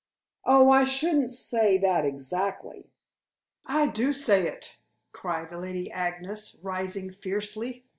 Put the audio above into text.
"Oh, I shouldn't say that exactly." "I do say it," cried Lady Agnes, rising fiercely.